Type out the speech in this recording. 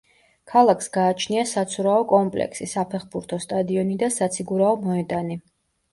ქალაქს გააჩნია საცურაო კომპლექსი, საფეხბურთო სტადიონი და საციგურაო მოედანი.